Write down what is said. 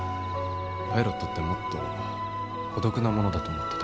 パイロットってもっと孤独なものだと思ってた。